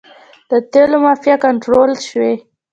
د تیلو مافیا کنټرول شوې؟